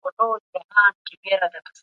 اقتصادي پرمختيا د هېواد د ترقۍ کيلي ده.